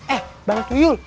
eh bang tuyul